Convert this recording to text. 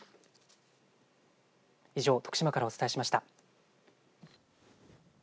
以上、徳島からお伝えしました。